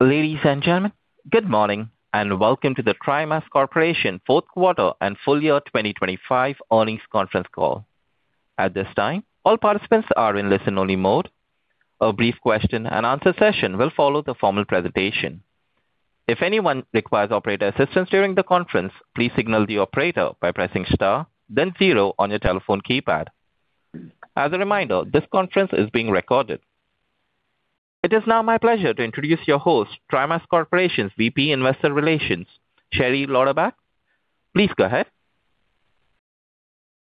Ladies and gentlemen, good morning, welcome to the TriMas Corporation fourth quarter and full year 2025 earnings conference call. At this time, all participants are in listen-only mode. A brief question-and-answer session will follow the formal presentation. If anyone requires operator assistance during the conference, please signal the operator by pressing star then zero on your telephone keypad. As a reminder, this conference is being recorded. It is now my pleasure to introduce your host, TriMas Corporation's VP, Investor Relations, Sherry Lauderback. Please go ahead.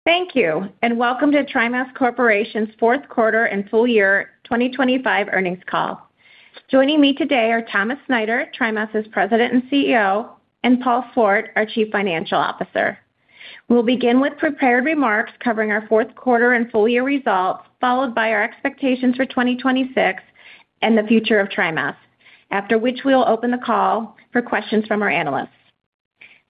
Thank you. Welcome to TriMas Corporation's fourth quarter and full year 2025 earnings call. Joining me today are Thomas Snyder, TriMas' President and CEO, and Paul Swart, our Chief Financial Officer. We'll begin with prepared remarks covering our fourth quarter and full year results, followed by our expectations for 2026 and the future of TriMas, after which we'll open the call for questions from our analysts.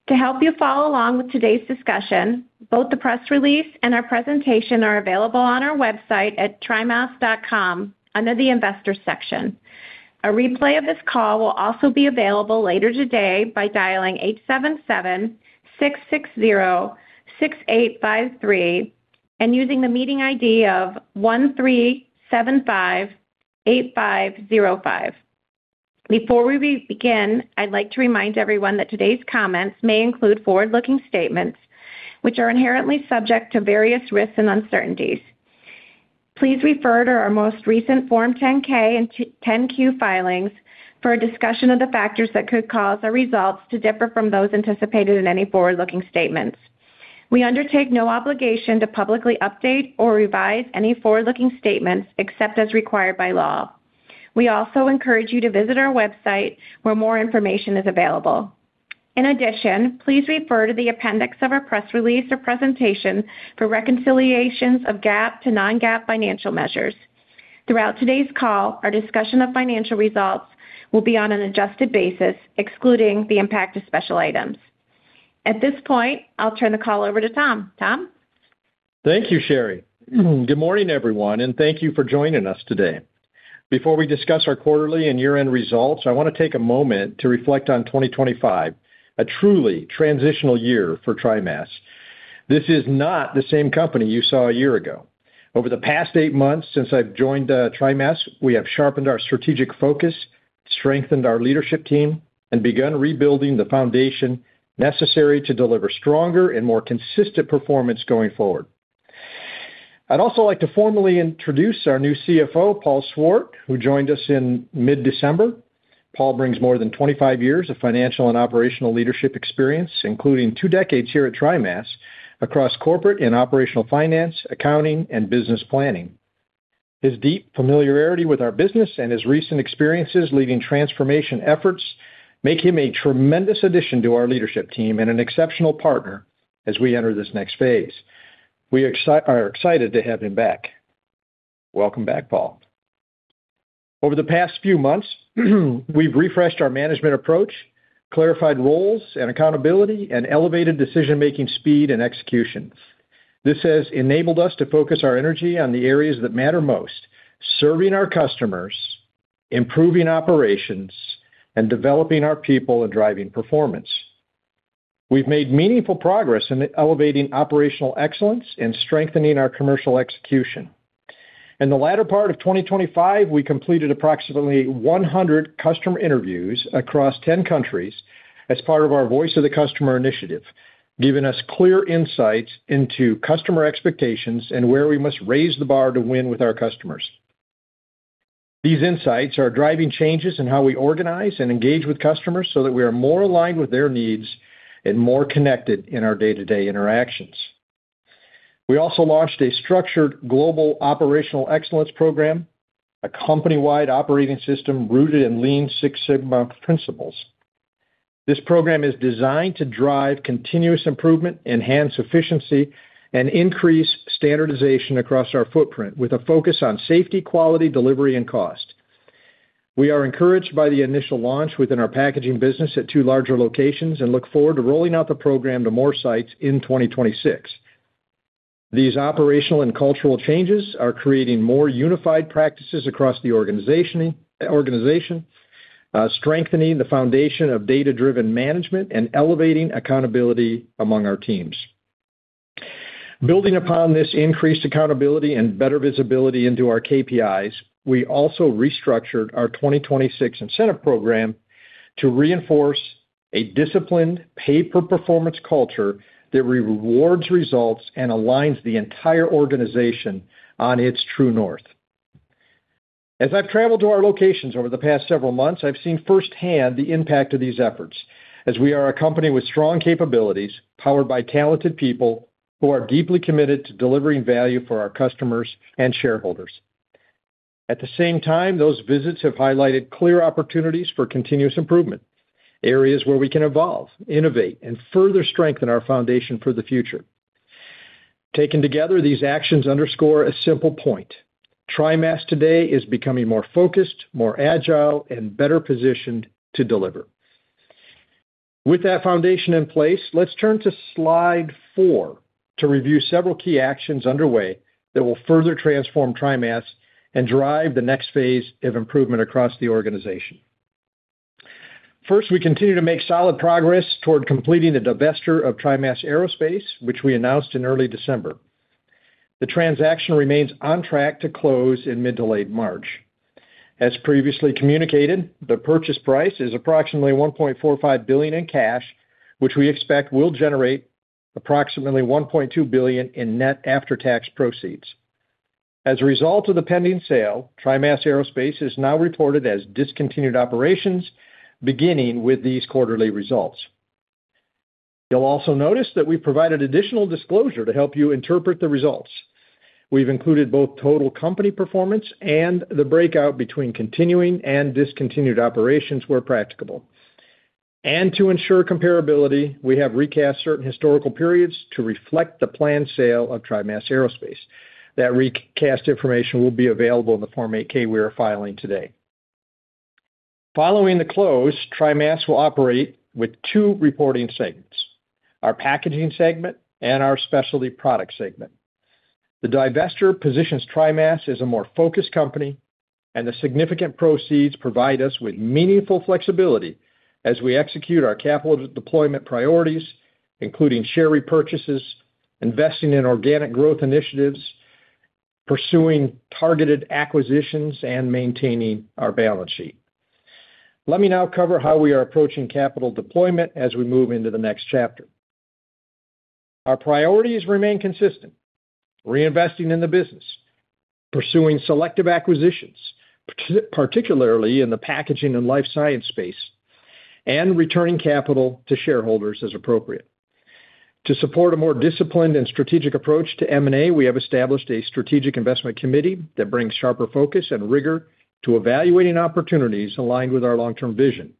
To help you follow along with today's discussion, both the press release and our presentation are available on our website at trimas.com under the Investors section. A replay of this call will also be available later today by dialing 877-660-6853 and using the meeting ID of 13758505. Before we begin, I'd like to remind everyone that today's comments may include forward-looking statements, which are inherently subject to various risks and uncertainties. Please refer to our most recent Form 10-K and 10-Q filings for a discussion of the factors that could cause our results to differ from those anticipated in any forward-looking statements. We undertake no obligation to publicly update or revise any forward-looking statements except as required by law. We also encourage you to visit our website, where more information is available. In addition, please refer to the appendix of our press release or presentation for reconciliations of GAAP to non-GAAP financial measures. Throughout today's call, our discussion of financial results will be on an adjusted basis, excluding the impact of special items. At this point, I'll turn the call over to Tom. Tom? Thank you, Sherry. Good morning, everyone, thank you for joining us today. Before we discuss our quarterly and year-end results, I want to take a moment to reflect on 2025, a truly transitional year for TriMas. This is not the same company you saw a year ago. Over the past eight months since I've joined, TriMas, we have sharpened our strategic focus, strengthened our leadership team, and begun rebuilding the foundation necessary to deliver stronger and more consistent performance going forward. I'd also like to formally introduce our new CFO, Paul Swart, who joined us in mid-December. Paul brings more than 25 years of financial and operational leadership experience, including two decades here at TriMas across corporate and operational finance, accounting, and business planning. His deep familiarity with our business and his recent experiences leading transformation efforts make him a tremendous addition to our leadership team and an exceptional partner as we enter this next phase. We are excited to have him back. Welcome back, Paul. Over the past few months, we've refreshed our management approach, clarified roles and accountability, and elevated decision-making, speed, and execution. This has enabled us to focus our energy on the areas that matter most: serving our customers, improving operations, and developing our people and driving performance. We've made meaningful progress in elevating operational excellence and strengthening our commercial execution. In the latter part of 2025, we completed approximately 100 customer interviews across 10 countries as part of our Voice of the Customer initiative, giving us clear insights into customer expectations and where we must raise the bar to win with our customers. These insights are driving changes in how we organize and engage with customers so that we are more aligned with their needs and more connected in our day-to-day interactions. We also launched a structured global operational excellence program, a company-wide operating system rooted in Lean Six Sigma principles. This program is designed to drive continuous improvement, enhance efficiency, and increase standardization across our footprint with a focus on safety, quality, delivery, and cost. We are encouraged by the initial launch within our packaging business at two larger locations and look forward to rolling out the program to more sites in 2026. These operational and cultural changes are creating more unified practices across the organization, strengthening the foundation of data-driven management, and elevating accountability among our teams. Building upon this increased accountability and better visibility into our KPIs, we also restructured our 2026 incentive program to reinforce a disciplined pay-per-performance culture that rewards results and aligns the entire organization on its true north. As I've traveled to our locations over the past several months, I've seen firsthand the impact of these efforts as we are a company with strong capabilities, powered by talented people who are deeply committed to delivering value for our customers and shareholders. At the same time, those visits have highlighted clear opportunities for continuous improvement, areas where we can evolve, innovate, and further strengthen our foundation for the future. Taken together, these actions underscore a simple point: TriMas today is becoming more focused, more agile, and better positioned to deliver...With that foundation in place, let's turn to slide four to review several key actions underway that will further transform TriMas and drive the next phase of improvement across the organization. First, we continue to make solid progress toward completing the divestiture of TriMas Aerospace, which we announced in early December. The transaction remains on track to close in mid to late March. As previously communicated, the purchase price is approximately $1.45 billion in cash, which we expect will generate approximately $1.2 billion in net after-tax proceeds. As a result of the pending sale, TriMas Aerospace is now reported as discontinued operations, beginning with these quarterly results. You'll also notice that we provided additional disclosure to help you interpret the results. We've included both total company performance and the breakout between continuing and discontinued operations, where practicable. To ensure comparability, we have recast certain historical periods to reflect the planned sale of TriMas Aerospace. That recast information will be available in the Form 8-K we are filing today. Following the close, TriMas will operate with two reporting segments: our packaging segment and our specialty product segment. The divestiture positions TriMas as a more focused company. The significant proceeds provide us with meaningful flexibility as we execute our capital deployment priorities, including share repurchases, investing in organic growth initiatives, pursuing targeted acquisitions, and maintaining our balance sheet. Let me now cover how we are approaching capital deployment as we move into the next chapter. Our priorities remain consistent: reinvesting in the business, pursuing selective acquisitions, particularly in the packaging and life science space, and returning capital to shareholders as appropriate. To support a more disciplined and strategic approach to M&A, we have established a strategic investment committee that brings sharper focus and rigor to evaluating opportunities aligned with our long-term vision.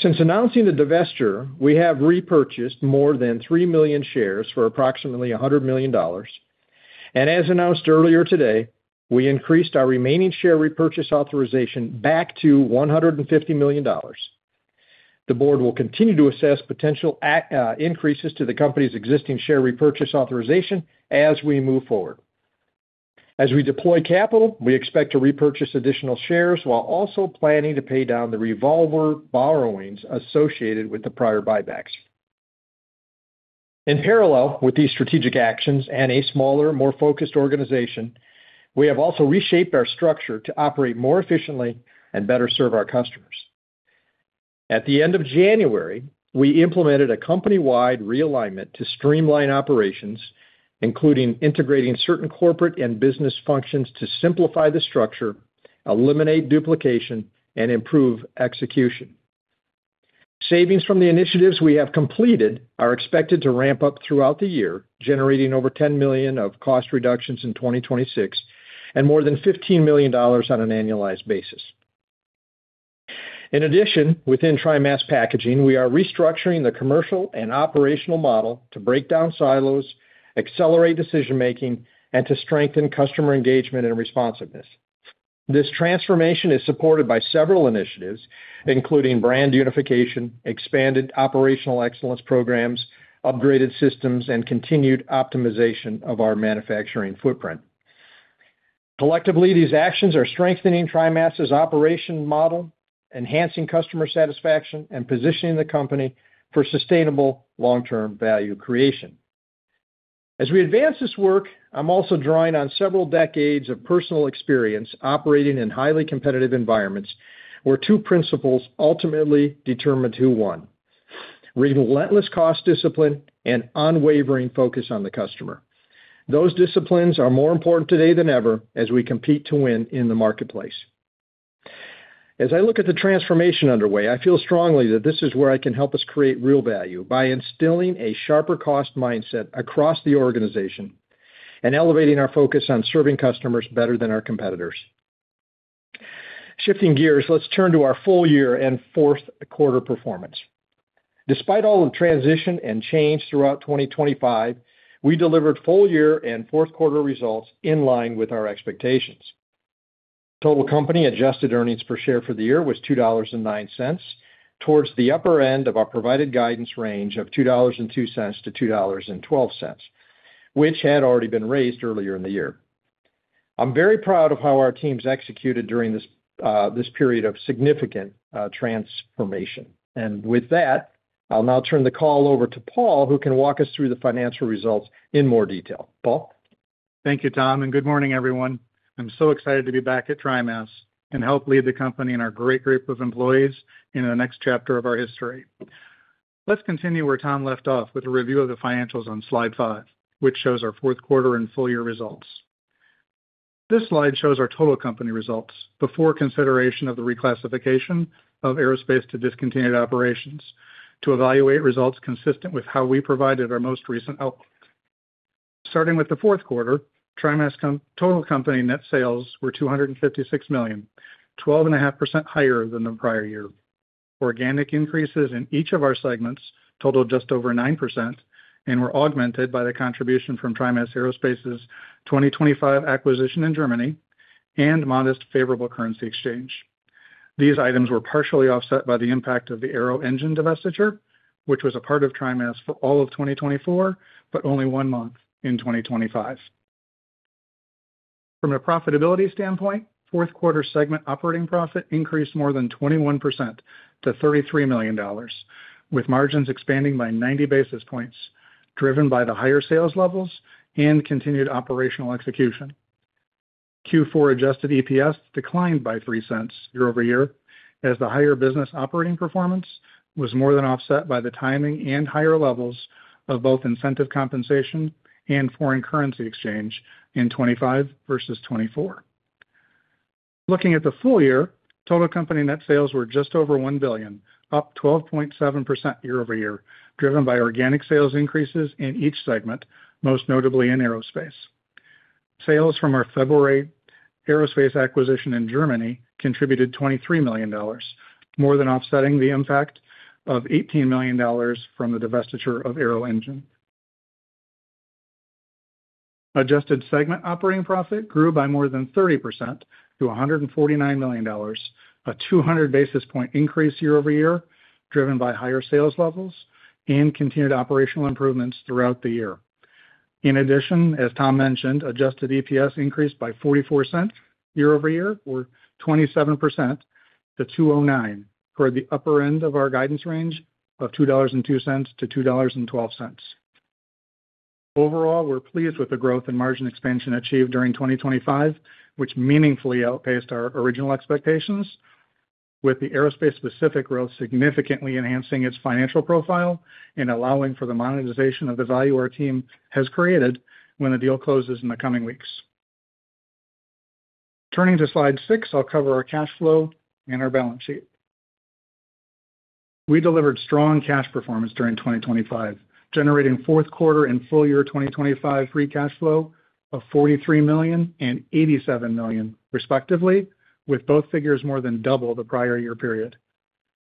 Since announcing the divestiture, we have repurchased more than 3 million shares for approximately $100 million, and as announced earlier today, we increased our remaining share repurchase authorization back to $150 million. The board will continue to assess potential at increases to the company's existing share repurchase authorization as we move forward. As we deploy capital, we expect to repurchase additional shares while also planning to pay down the revolver borrowings associated with the prior buybacks. In parallel with these strategic actions and a smaller, more focused organization, we have also reshaped our structure to operate more efficiently and better serve our customers. At the end of January, we implemented a company-wide realignment to streamline operations, including integrating certain corporate and business functions to simplify the structure, eliminate duplication, and improve execution. Savings from the initiatives we have completed are expected to ramp up throughout the year, generating over $10 million of cost reductions in 2026, and more than $15 million on an annualized basis. In addition, within TriMas Packaging, we are restructuring the commercial and operational model to break down silos, accelerate decision-making, and to strengthen customer engagement and responsiveness. This transformation is supported by several initiatives, including brand unification, expanded operational excellence programs, upgraded systems, and continued optimization of our manufacturing footprint. Collectively, these actions are strengthening TriMas's operation model, enhancing customer satisfaction, and positioning the company for sustainable long-term value creation. As we advance this work, I'm also drawing on several decades of personal experience operating in highly competitive environments, where two principles ultimately determined who won: relentless cost discipline and unwavering focus on the customer. Those disciplines are more important today than ever as we compete to win in the marketplace. As I look at the transformation underway, I feel strongly that this is where I can help us create real value by instilling a sharper cost mindset across the organization and elevating our focus on serving customers better than our competitors. Shifting gears, let's turn to our full year and fourth quarter performance. Despite all the transition and change throughout 2025, we delivered full year and fourth quarter results in line with our expectations. Total company adjusted earnings per share for the year was $2.09, towards the upper end of our provided guidance range of $2.02-$2.12, which had already been raised earlier in the year. I'm very proud of how our teams executed during this period of significant transformation. With that, I'll now turn the call over to Paul, who can walk us through the financial results in more detail. Paul? Thank you, Tom. Good morning, everyone. I'm so excited to be back at TriMas and help lead the company and our great group of employees into the next chapter of our history. Let's continue where Tom left off with a review of the financials on slide five, which shows our fourth quarter and full year results. This slide shows our total company results before consideration of the reclassification of aerospace to discontinued operations, to evaluate results consistent with how we provided our most recent outlook. Starting with the fourth quarter, TriMas total company net sales were $256 million, 12.5% higher than the prior year. Organic increases in each of our segments totaled just over 9% and were augmented by the contribution from TriMas Aerospace's 2025 acquisition in Germany and modest, favorable currency exchange.... These items were partially offset by the impact of the Arrow Engine divestiture, which was a part of TriMas for all of 2024, but only 1 month in 2025. From a profitability standpoint, fourth quarter segment operating profit increased more than 21% to $33 million, with margins expanding by 90 basis points, driven by the higher sales levels and continued operational execution. Q4 adjusted EPS declined by $0.03 year-over-year, as the higher business operating performance was more than offset by the timing and higher levels of both incentive compensation and foreign currency exchange in 2025 versus 2024. Looking at the full year, total company net sales were just over $1 billion, up 12.7% year-over-year, driven by organic sales increases in each segment, most notably in aerospace. Sales from our February aerospace acquisition in Germany contributed $23 million, more than offsetting the impact of $18 million from the divestiture of Arrow Engine. Adjusted segment operating profit grew by more than 30% to $149 million, a 200 basis point increase year-over-year, driven by higher sales levels and continued operational improvements throughout the year. In addition, as Tom mentioned, adjusted EPS increased by $0.44 year-over-year, or 27% to $2.09, toward the upper end of our guidance range of $2.02-$2.12. Overall, we're pleased with the growth and margin expansion achieved during 2025, which meaningfully outpaced our original expectations, with the aerospace-specific growth significantly enhancing its financial profile and allowing for the monetization of the value our team has created when the deal closes in the coming weeks. Turning to slide six, I'll cover our cash flow and our balance sheet. We delivered strong cash performance during 2025, generating fourth quarter and full year 2025 free cash flow of $43 million and $87 million, respectively, with both figures more than double the prior year period.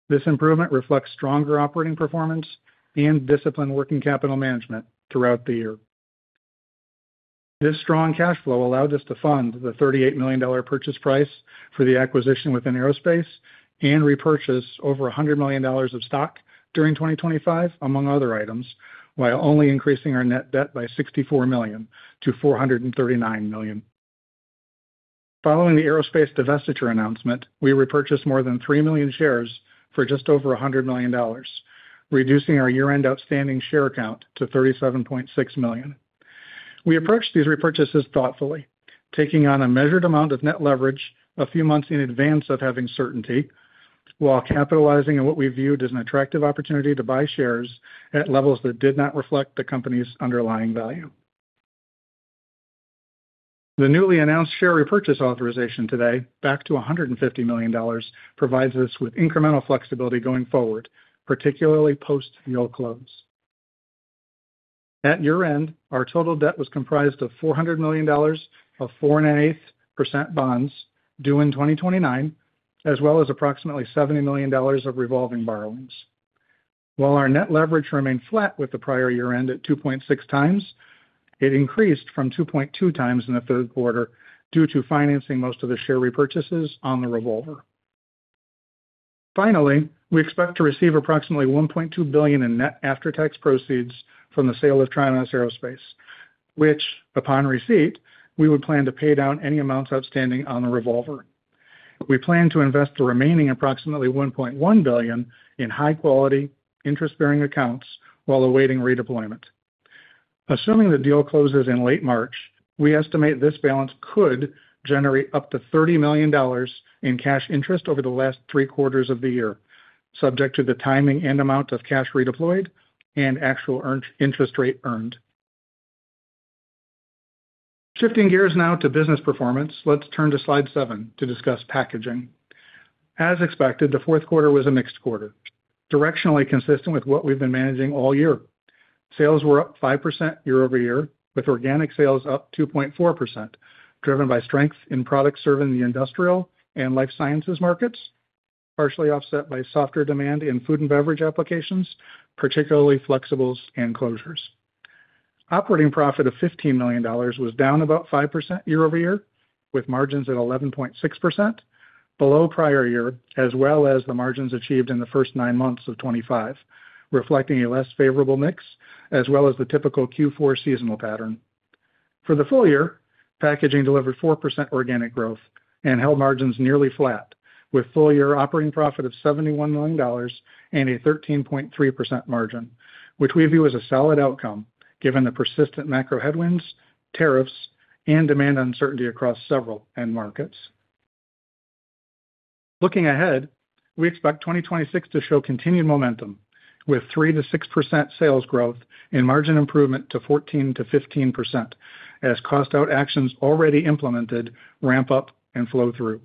This improvement reflects stronger operating performance and disciplined working capital management throughout the year. This strong cash flow allowed us to fund the $38 million purchase price for the acquisition within TriMas Aerospace and repurchase over $100 million of stock during 2025, among other items, while only increasing our net debt by $64 million-$439 million. Following the TriMas Aerospace divestiture announcement, we repurchased more than 3 million shares for just over $100 million, reducing our year-end outstanding share count to 37.6 million. We approached these repurchases thoughtfully, taking on a measured amount of net leverage a few months in advance of having certainty, while capitalizing on what we viewed as an an attractive opportunity to buy shares at levels that did not reflect the company's underlying value. The newly announced share repurchase authorization today, back to $150 million, provides us with incremental flexibility going forward, particularly post-deal close. At year-end, our total debt was comprised of $400 million of 4.125% bonds due in 2029, as well as approximately $70 million of revolving borrowings. While our net leverage remained flat with the prior year-end at 2.6x, it increased from 2.2x in the third quarter due to financing most of the share repurchases on the revolver. Finally, we expect to receive approximately $1.2 billion in net after-tax proceeds from the sale of TriMas Aerospace, which, upon receipt, we would plan to pay down any amounts outstanding on the revolver. We plan to invest the remaining approximately $1.1 billion in high-quality interest-bearing accounts while awaiting redeployment. Assuming the deal closes in late March, we estimate this balance could generate up to $30 million in cash interest over the last 3 quarters of the year, subject to the timing and amount of cash redeployed and actual earned interest rate earned. Shifting gears now to business performance. Let's turn to slide seven to discuss packaging. As expected, the fourth quarter was a mixed quarter, directionally consistent with what we've been managing all year. Sales were up 5% year-over-year, with organic sales up 2.4%, driven by strength in products serving the industrial and life sciences markets, partially offset by softer demand in food and beverage applications, particularly flexibles and closures. Operating profit of $15 million was down about 5% year-over-year, with margins at 11.6%, below prior year as well as the margins achieved in the first nine months of 2025, reflecting a less favorable mix as well as the typical Q4 seasonal pattern. Packaging delivered 4% organic growth and held margins nearly flat, with full year operating profit of $71 million and a 13.3% margin, which we view as a solid outcome, given the persistent macro headwinds, tariffs, and demand uncertainty across several end markets. Looking ahead, we expect 2026 to show continued momentum, with 3%-6% sales growth and margin improvement to 14%-15%, as cost-out actions already implemented ramp up and flow through.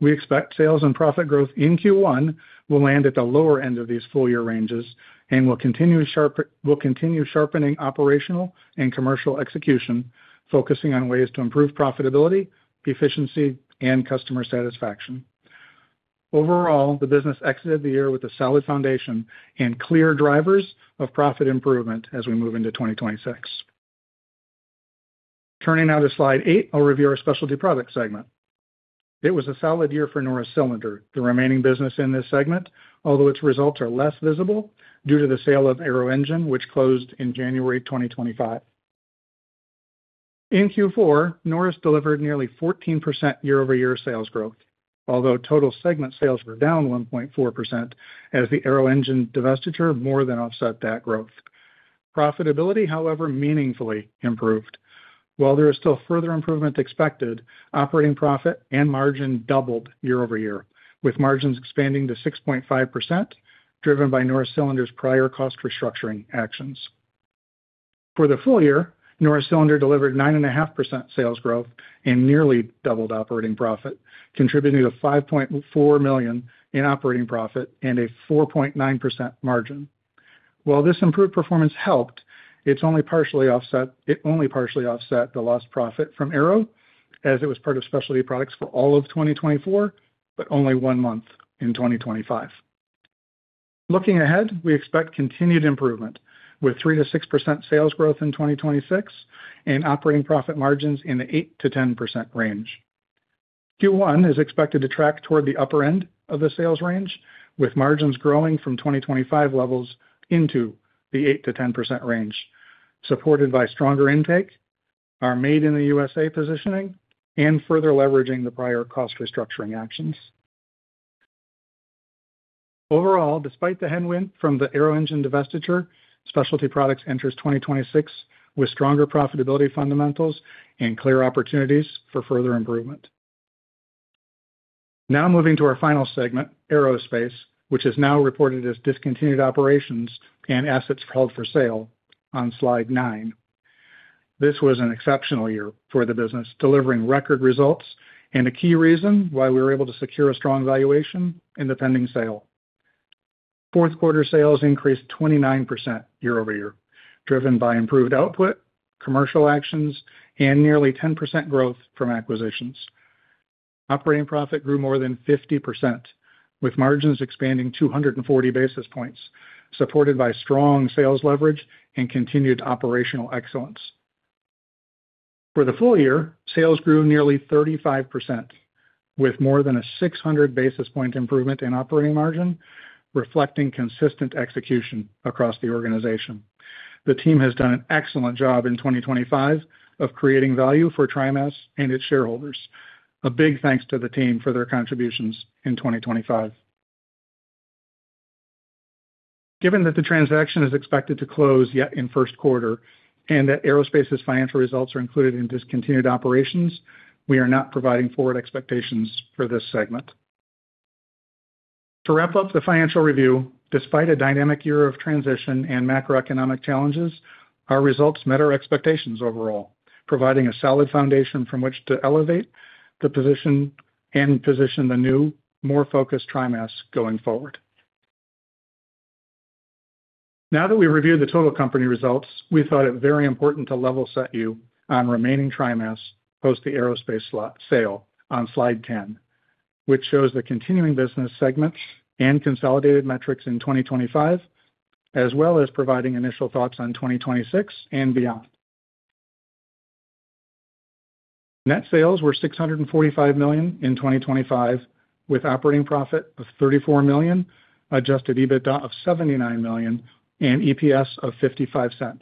We expect sales and profit growth in Q1 will land at the lower end of these full-year ranges and will continue sharpening operational and commercial execution, focusing on ways to improve profitability, efficiency, and customer satisfaction. Overall, the business exited the year with a solid foundation and clear drivers of profit improvement as we move into 2026. Turning now to slide eight, I'll review our specialty product segment. It was a solid year for Norris Cylinder, the remaining business in this segment, although its results are less visible due to the sale of Arrow Engine, which closed in January 2025. In Q4, Norris delivered nearly 14% year-over-year sales growth, although total segment sales were down 1.4% as the Arrow Engine divestiture more than offset that growth. Profitability, however, meaningfully improved. While there is still further improvement expected, operating profit and margin doubled year-over-year, with margins expanding to 6.5%, driven by Norris Cylinder's prior cost restructuring actions. For the full year, Norris Cylinder delivered 9.5% sales growth and nearly doubled operating profit, contributing to $5.4 million in operating profit and a 4.9% margin. While this improved performance helped, it only partially offset the lost profit from Aero, as it was part of specialty products for all of 2024, but only one month in 2025. Looking ahead, we expect continued improvement, with 3%-6% sales growth in 2026 and operating profit margins in the 8%-10% range. Q1 is expected to track toward the upper end of the sales range, with margins growing from 2025 levels into the 8%-10% range, supported by stronger intake, our Made in the USA positioning, and further leveraging the prior cost restructuring actions. Overall, despite the headwind from the Arrow Engine divestiture, specialty products enters 2026 with stronger profitability fundamentals and clear opportunities for further improvement. Now moving to our final segment, Aerospace, which is now reported as discontinued operations and assets held for sale on slide nine. This was an exceptional year for the business, delivering record results and a key reason why we were able to secure a strong valuation in the pending sale. Fourth quarter sales increased 29% year-over-year, driven by improved output, commercial actions, and nearly 10% growth from acquisitions. Operating profit grew more than 50%, with margins expanding 240 basis points, supported by strong sales leverage and continued operational excellence. For the full year, sales grew nearly 35%, with more than a 600 basis point improvement in operating margin, reflecting consistent execution across the organization. The team has done an excellent job in 2025 of creating value for TriMas and its shareholders. A big thanks to the team for their contributions in 2025. Given that the transaction is expected to close yet in first quarter and that Aerospace's financial results are included in discontinued operations, we are not providing forward expectations for this segment. To wrap up the financial review, despite a dynamic year of transition and macroeconomic challenges, our results met our expectations overall, providing a solid foundation from which to elevate the position and position the new, more focused TriMas going forward. That we've reviewed the total company results, we thought it very important to level set you on remaining TriMas post the Aerospace slot sale on slide 10, which shows the continuing business segments and consolidated metrics in 2025, as well as providing initial thoughts on 2026 and beyond. Net sales were $645 million in 2025, with operating profit of $34 million, adjusted EBITDA of $79 million, and EPS of $0.55.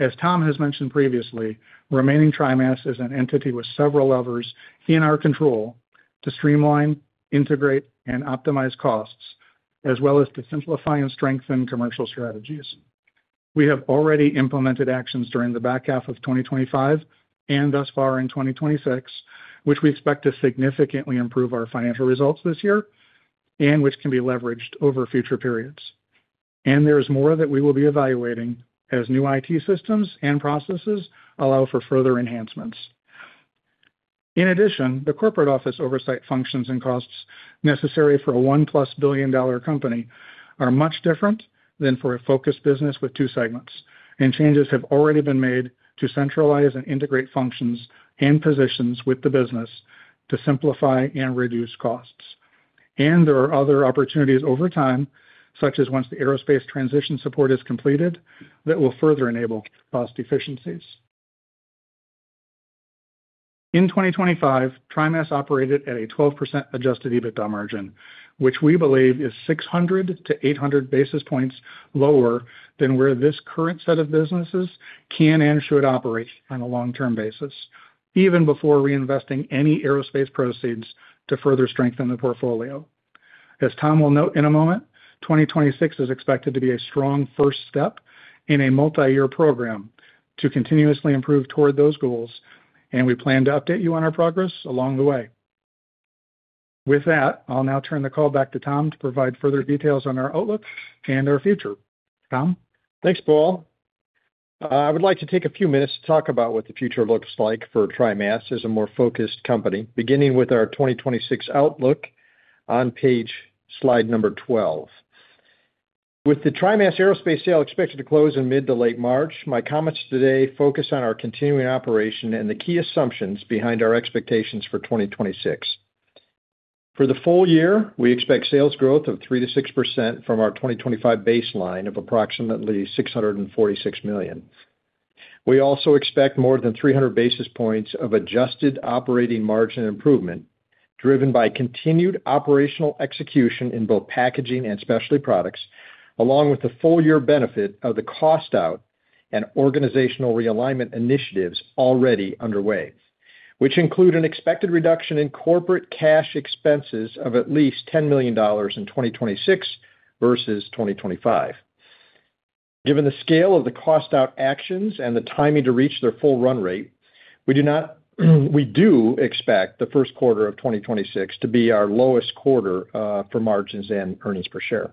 As Tom has mentioned previously, remaining TriMas is an entity with several levers in our control to streamline, integrate, and optimize costs, as well as to simplify and strengthen commercial strategies. We have already implemented actions during the back half of 2025 and thus far in 2026, which we expect to significantly improve our financial results this year and which can be leveraged over future periods. There is more that we will be evaluating as new IT systems and processes allow for further enhancements. In addition, the corporate office oversight functions and costs necessary for a 1-plus billion-dollar company are much different than for a focused business with two segments. Changes have already been made to centralize and integrate functions and positions with the business to simplify and reduce costs. There are other opportunities over time, such as once the aerospace transition support is completed, that will further enable cost efficiencies. In 2025, TriMas operated at a 12% adjusted EBITDA margin, which we believe is 600 to 800 basis points lower than where this current set of businesses can and should operate on a long-term basis, even before reinvesting any aerospace proceeds to further strengthen the portfolio. As Tom will note in a moment, 2026 is expected to be a strong first step in a multi-year program to continuously improve toward those goals, and we plan to update you on our progress along the way. With that, I'll now turn the call back to Tom to provide further details on our outlook and our future. Tom? Thanks, Paul. I would like to take a few minutes to talk about what the future looks like for TriMas as a more focused company, beginning with our 2026 outlook on slide number 12. With the TriMas Aerospace sale expected to close in mid to late March, my comments today focus on our continuing operation and the key assumptions behind our expectations for 2026. For the full year, we expect sales growth of 3%-6% from our 2025 baseline of approximately $646 million. We also expect more than 300 basis points of adjusted operating margin improvement, driven by continued operational execution in both packaging and specialty products, along with the full year benefit of the cost out and organizational realignment initiatives already underway, which include an expected reduction in corporate cash expenses of at least $10 million in 2026 versus 2025. Given the scale of the cost out actions and the timing to reach their full run rate, we do expect the first quarter of 2026 to be our lowest quarter for margins and earnings per share.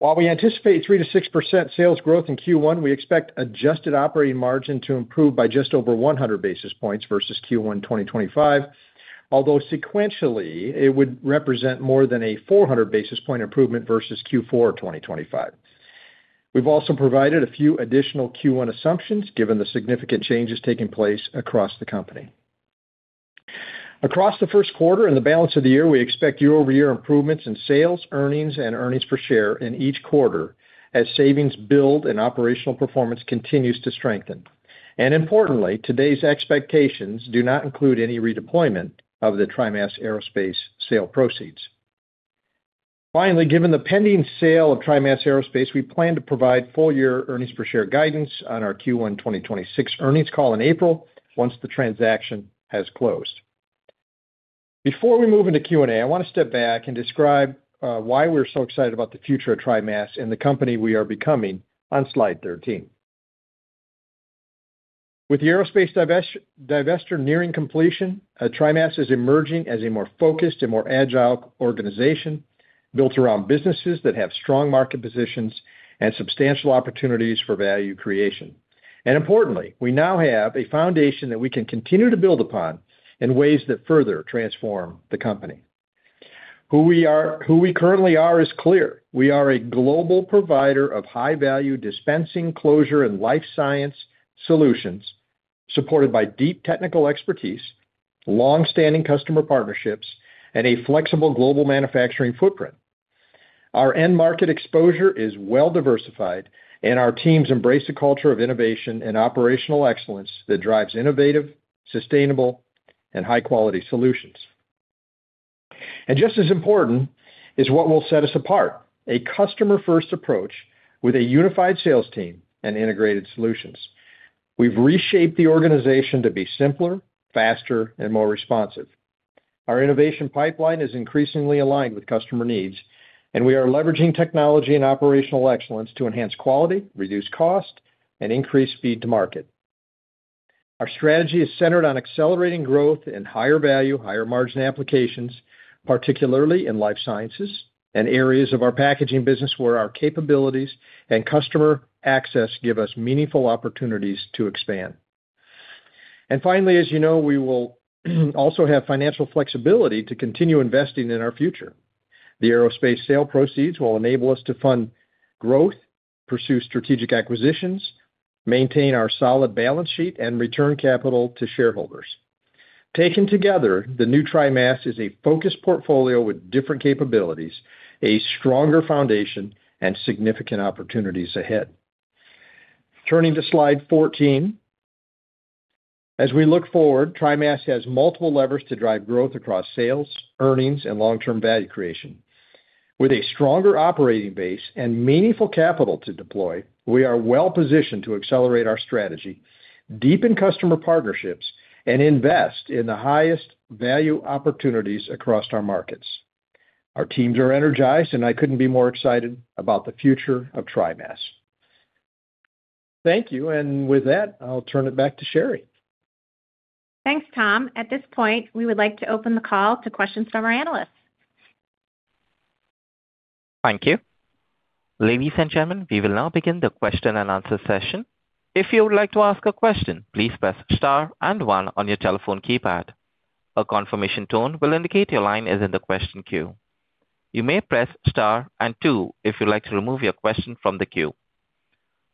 While we anticipate 3%-6% sales growth in Q1, we expect adjusted operating margin to improve by just over 100 basis points versus Q1 2025, although sequentially, it would represent more than a 400 basis point improvement versus Q4 2025. We've also provided a few additional Q1 assumptions, given the significant changes taking place across the company. Across the first quarter and the balance of the year, we expect year-over-year improvements in sales, earnings, and earnings per share in each quarter, as savings build and operational performance continues to strengthen. Importantly, today's expectations do not include any redeployment of the TriMas Aerospace sale proceeds. Finally, given the pending sale of TriMas Aerospace, we plan to provide full year earnings per share guidance on our Q1 2026 earnings call in April, once the transaction has closed. Before we move into Q&A, I want to step back and describe, why we're so excited about the future of TriMas and the company we are becoming on slide 13. With the aerospace divester nearing completion, TriMas is emerging as a more focused and more agile organization, built around businesses that have strong market positions and substantial opportunities for value creation. Importantly, we now have a foundation that we can continue to build upon in ways that further transform the company. Who we currently are is clear. We are a global provider of high-value dispensing, closure, and life science solutions, supported by deep technical expertise, long-standing customer partnerships, and a flexible global manufacturing footprint. Our end market exposure is well diversified. Our teams embrace a culture of innovation and operational excellence that drives innovative, sustainable, and high-quality solutions. Just as important is what will set us apart, a customer-first approach with a unified sales team and integrated solutions. We've reshaped the organization to be simpler, faster, and more responsive. Our innovation pipeline is increasingly aligned with customer needs. We are leveraging technology and operational excellence to enhance quality, reduce cost, and increase speed to market. Our strategy is centered on accelerating growth in higher value, higher margin applications, particularly in life sciences and areas of our packaging business, where our capabilities and customer access give us meaningful opportunities to expand. Finally, as you know, we will also have financial flexibility to continue investing in our future. The aerospace sale proceeds will enable us to fund growth, pursue strategic acquisitions, maintain our solid balance sheet, and return capital to shareholders. Taken together, the new TriMas is a focused portfolio with different capabilities, a stronger foundation, and significant opportunities ahead. Turning to slide 14. As we look forward, TriMas has multiple levers to drive growth across sales, earnings, and long-term value creation. With a stronger operating base and meaningful capital to deploy, we are well positioned to accelerate our strategy, deepen customer partnerships, and invest in the highest value opportunities across our markets. Our teams are energized, I couldn't be more excited about the future of TriMas. Thank you, with that, I'll turn it back to Sherry. Thanks, Tom. At this point, we would like to open the call to questions from our analysts. Thank you. Ladies and gentlemen, we will now begin the question-and-answer session. If you would like to ask a question, please press star and one on your telephone keypad. A confirmation tone will indicate your line is in the question queue. You may press star and two if you'd like to remove your question from the queue.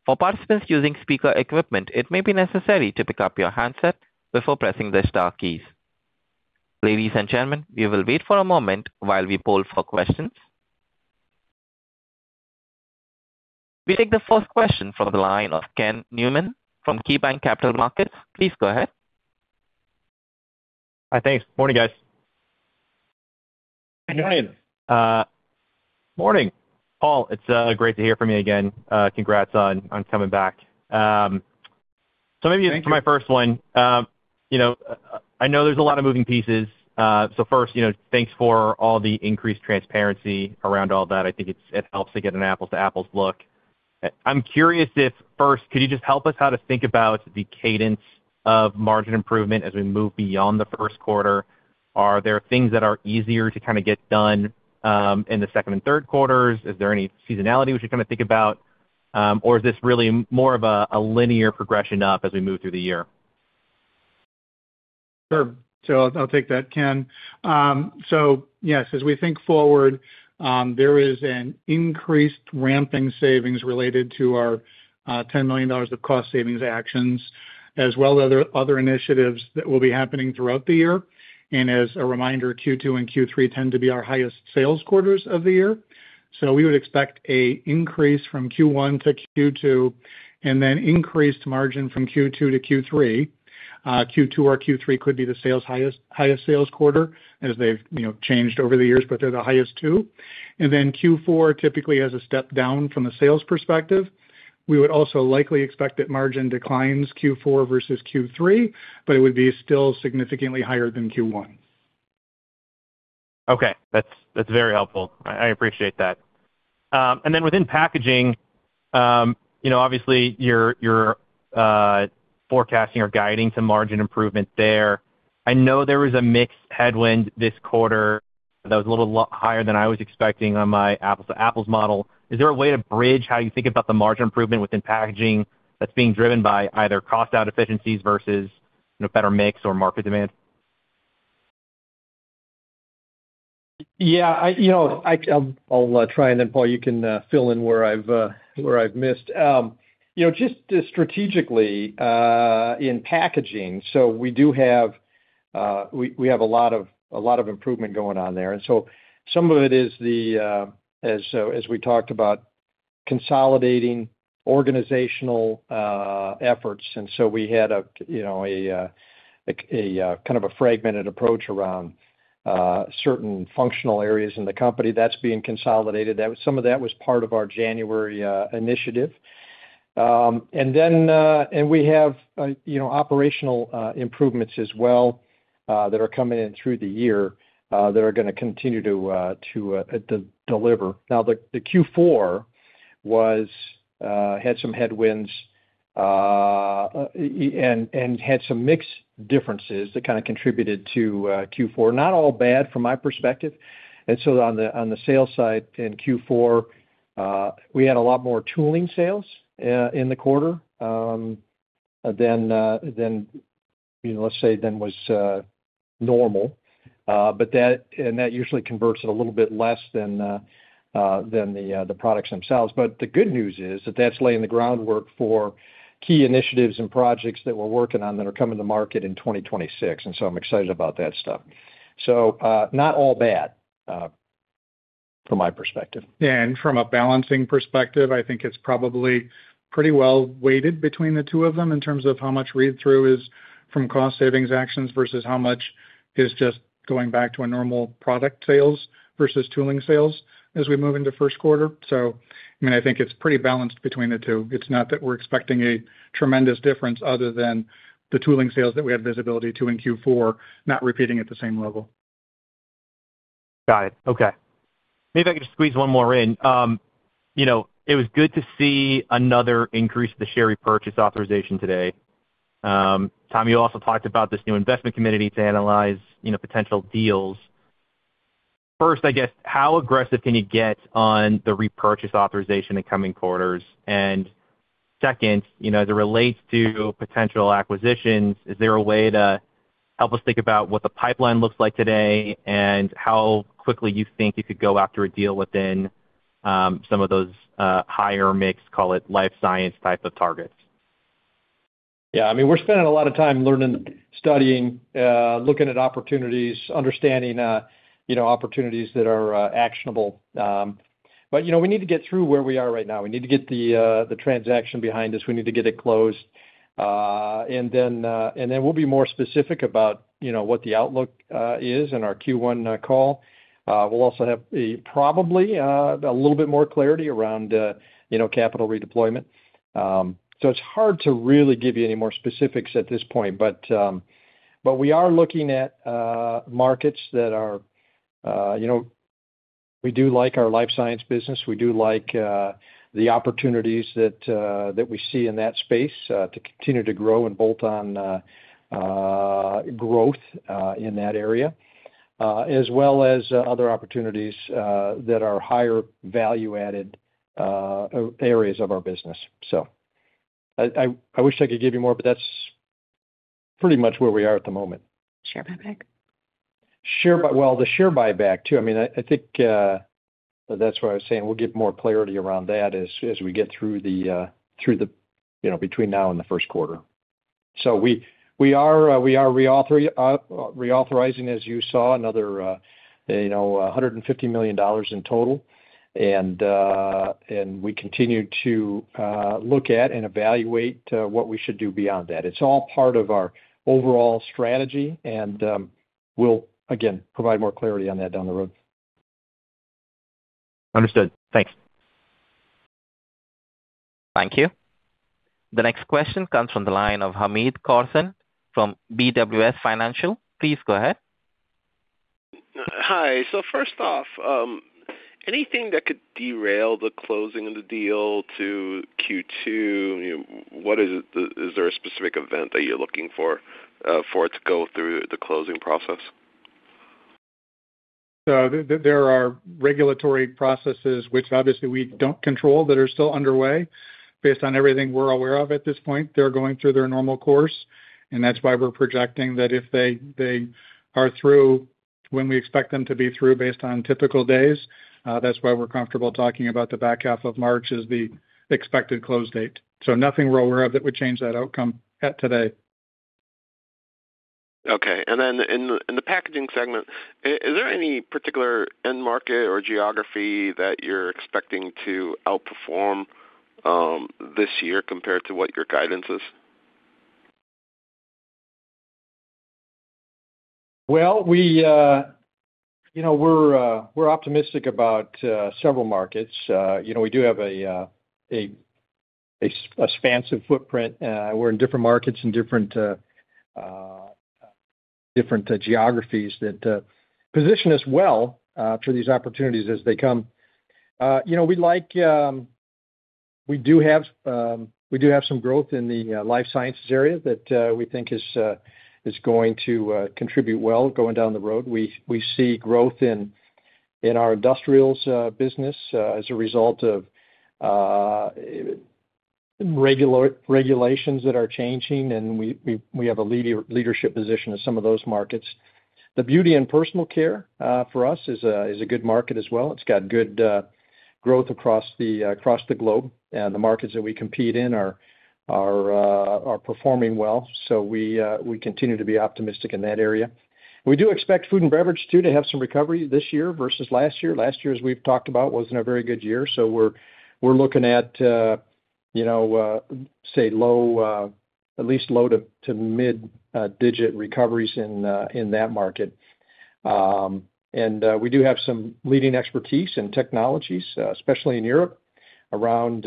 For participants using speaker equipment, it may be necessary to pick up your handset before pressing the star keys. Ladies and gentlemen, we will wait for a moment while we poll for questions. We take the first question from the line of Ken Newman from KeyBanc Capital Markets. Please go ahead. Hi. Thanks. Morning, guys. Hi. Morning, Paul. It's great to hear from you again. Congrats on coming back. Maybe to my first one, you know, I know there's a lot of moving pieces. First, you know, thanks for all the increased transparency around all that. I think it helps to get an apples-to-apples look. I'm curious if, first, could you just help us how to think about the cadence of margin improvement as we move beyond the first quarter? Are there things that are easier to kind of get done in the second and third quarters? Is there any seasonality we should kind of think about? Is this really more of a linear progression up as we move through the year? Sure. I'll take that, Ken. Yes, as we think forward, there is an increased ramping savings related to our $10 million of cost savings actions, as well as other initiatives that will be happening throughout the year. As a reminder, Q2 and Q3 tend to be our highest sales quarters of the year. We would expect a increase from Q1 to Q2, and then increased margin from Q2 to Q3. Q2 or Q3 could be the sales highest sales quarter as they've, you know, changed over the years, but they're the highest 2. Then Q4 typically has a step down from a sales perspective. We would also likely expect that margin declines Q4 versus Q3, it would be still significantly higher than Q1. Okay. That's very helpful. I appreciate that. Then within packaging, you know, obviously, you're forecasting or guiding some margin improvement there. I know there was a mixed headwind this quarter that was a little higher than I was expecting on my apples to apples model. Is there a way to bridge how you think about the margin improvement within packaging that's being driven by either cost out efficiencies versus, you know, better mix or market demand? Yeah, I, you know, I'll try, and then, Paul, you can fill in where I've missed. You know, just strategically in packaging, so we have a lot of improvement going on there. Some of it is the as we talked about, consolidating organizational efforts. We had a, you know, a kind of a fragmented approach around certain functional areas in the company that's being consolidated. Some of that was part of our January initiative. We have, you know, operational improvements as well that are coming in through the year that are gonna continue to deliver. The Q4 had some headwinds and had some mix differences that kind of contributed to Q4. Not all bad from my perspective. On the sales side, in Q4, we had a lot more tooling sales in the quarter than, you know, let's say, than was normal. That, and that usually converts at a little bit less than the products themselves. The good news is that that's laying the groundwork for key initiatives and projects that we're working on that are coming to market in 2026, and so I'm excited about that stuff. Not all bad from my perspective. From a balancing perspective, I think it's probably pretty well weighted between the two of them in terms of how much read-through is from cost savings actions versus how much is just going back to a normal product sales versus tooling sales as we move into first quarter. I mean, I think it's pretty balanced between the two. It's not that we're expecting a tremendous difference other than the tooling sales that we have visibility to in Q4, not repeating at the same level. Got it. Okay. Maybe I could just squeeze one more in. you know, it was good to see another increase to the share repurchase authorization today. Tom, you also talked about this new investment committee to analyze, you know, potential deals. First, I guess, how aggressive can you get on the repurchase authorization in coming quarters? Second, you know, as it relates to potential acquisitions, is there a way to help us think about what the pipeline looks like today, and how quickly you think you could go after a deal within, some of those, higher mixed, call it, life science type of targets? Yeah, I mean, we're spending a lot of time learning, studying, looking at opportunities, understanding, you know, opportunities that are actionable. You know, we need to get through where we are right now. We need to get the transaction behind us. We need to get it closed. Then we'll be more specific about, you know, what the outlook is in our Q1 call. We'll also have a, probably, a little bit more clarity around, you know, capital redeployment. It's hard to really give you any more specifics at this point, but we are looking at markets that are, you know... We do like our life science business. We do like the opportunities that that we see in that space to continue to grow and bolt on growth in that area as well as other opportunities that are higher value-added areas of our business. I wish I could give you more, but that's pretty much where we are at the moment. Share buyback. Well, the share buyback, too. I mean, I think, that's why I was saying we'll get more clarity around that as we get through the, you know, between now and the first quarter. We are reauthorizing, as you saw, another, you know, $150 million in total. We continue to look at and evaluate what we should do beyond that. It's all part of our overall strategy, and we'll again, provide more clarity on that down the road. Understood. Thanks. Thank you. The next question comes from the line of Hamed Khorsand from BWS Financial. Please go ahead. Hi. First off, anything that could derail the closing of the deal to Q2? You know, Is there a specific event that you're looking for for it to go through the closing process? There are regulatory processes which obviously we don't control, that are still underway. Based on everything we're aware of at this point, they're going through their normal course, and that's why we're projecting that if they are through when we expect them to be through based on typical days, that's why we're comfortable talking about the back half of March as the expected close date. Nothing we're aware of that would change that outcome at today. Okay. In the packaging segment, is there any particular end market or geography that you're expecting to outperform this year compared to what your guidance is? Well, we, you know, we're optimistic about several markets. You know, we do have a expansive footprint. We're in different markets and different geographies that position us well for these opportunities as they come. You know, we like, we do have some growth in the life sciences area that we think is going to contribute well, going down the road. We see growth in our industrials business as a result of regulations that are changing, and we have a leadership position in some of those markets. The beauty and personal care for us is a good market as well. It's got good growth across the across the globe, and the markets that we compete in are performing well. We continue to be optimistic in that area. We do expect food and beverage, too, to have some recovery this year versus last year. Last year, as we've talked about, wasn't a very good year, so we're looking at, you know, say low, at least low to mid-digit recoveries in that market. We do have some leading expertise and technologies, especially in Europe, around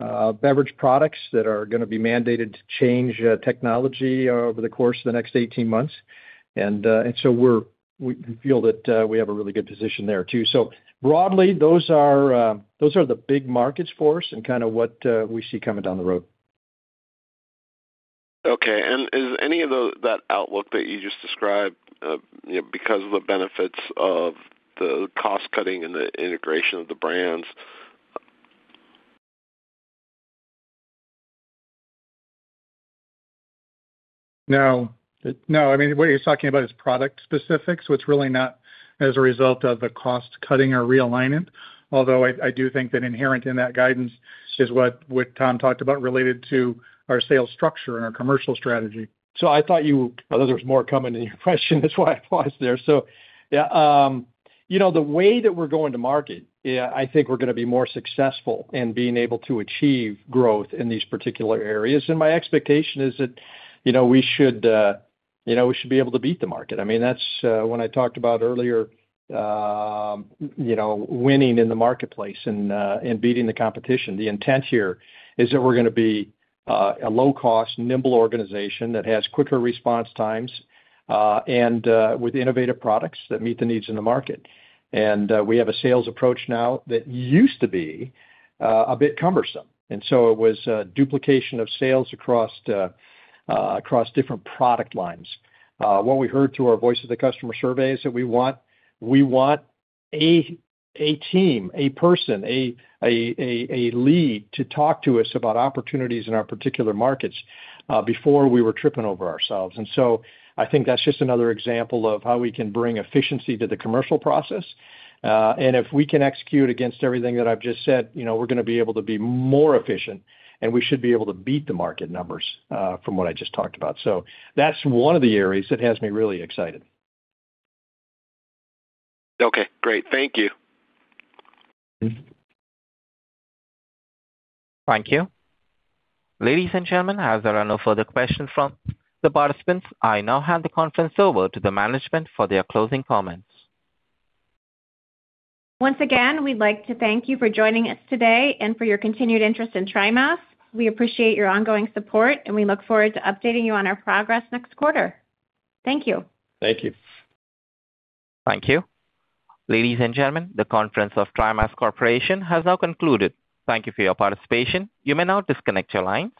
beverage products that are gonna be mandated to change technology over the course of the next 18 months. We feel that we have a really good position there, too. Broadly, those are, those are the big markets for us and kind of what, we see coming down the road. Okay, is any of that outlook that you just described, you know, because of the benefits of the cost cutting and the integration of the brands? No. No, I mean, what he's talking about is product specific, so it's really not as a result of the cost cutting or realignment. Although I do think that inherent in that guidance is what Tom talked about related to our sales structure and our commercial strategy. I thought there was more coming in your question. That's why I paused there. Yeah, you know, the way that we're going to market, yeah, I think we're gonna be more successful in being able to achieve growth in these particular areas. My expectation is that, you know, we should, you know, we should be able to beat the market. I mean, that's, when I talked about earlier, you know, winning in the marketplace and beating the competition. The intent here is that we're gonna be a low-cost, nimble organization that has quicker response times and with innovative products that meet the needs in the market. We have a sales approach now that used to be a bit cumbersome, and so it was duplication of sales across different product lines. What we heard through our Voice of the Customer surveys, that we want a team, a person, a lead to talk to us about opportunities in our particular markets. Before we were tripping over ourselves. I think that's just another example of how we can bring efficiency to the commercial process. If we can execute against everything that I've just said, you know, we're gonna be able to be more efficient, and we should be able to beat the market numbers, from what I just talked about. That's one of the areas that has me really excited. Okay, great. Thank you. Thank you. Ladies and gentlemen, as there are no further questions from the participants, I now hand the conference over to the management for their closing comments. Once again, we'd like to thank you for joining us today and for your continued interest in TriMas. We appreciate your ongoing support, and we look forward to updating you on our progress next quarter. Thank you. Thank you. Thank you. Ladies and gentlemen, the conference of TriMas Corporation has now concluded. Thank you for your participation. You may now disconnect your line.